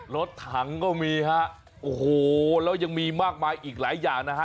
รถถังก็มีฮะโอ้โหแล้วยังมีมากมายอีกหลายอย่างนะฮะ